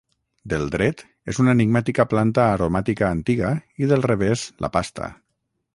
Del dret és una enigmàtica planta aromàtica antiga i del revés la pasta.